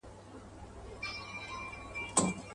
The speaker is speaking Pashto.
هم به غرونه بیرته خپل سي هم به ساد په لار کي مل سي.